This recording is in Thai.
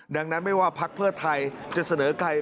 ดังนั้นไม่ว่าพักเพื่อไทยจะเสนอใคร